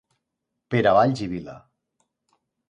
Pere Valls i Vila.